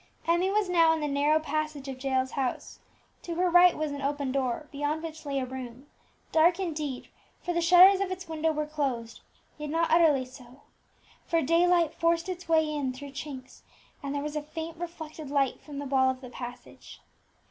Emmie was now in the narrow passage of Jael's house; to her right was an open door, beyond which lay a room, dark indeed, for the shutters of its window were closed, yet not utterly so, for daylight forced its way in through chinks, and there was a faint reflected light from the wall of the passage.